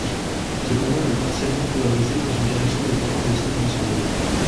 Cependant elle est partiellement polarisée, dans une direction dépendant de celle du soleil.